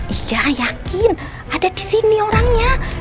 iya yakin ada disini orangnya